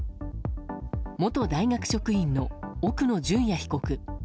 元大学職員の奥野淳也被告。